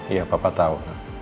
iya papa tahu